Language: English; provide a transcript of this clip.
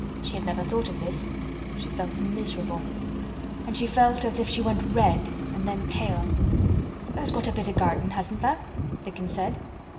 She had never thought of this. She felt miserable. And she felt as if she went red and then pale. "Tha's got a bit o' garden, hasn't tha'?" Dickon said.